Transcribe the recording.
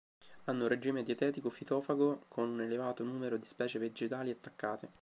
Hanno un regime dietetico fitofago, con un elevato numero di specie vegetali attaccate.